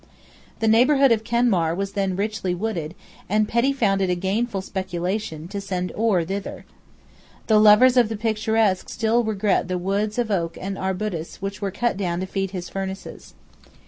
The neighbourhood of Kenmare was then richly wooded; and Petty found it a gainful speculation to send ore thither. The lovers of the picturesque still regret the woods of oak and arbutus which were cut down to feed his furnaces.